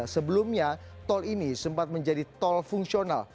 sebelumnya tol ini sempat menjadi tol fungsional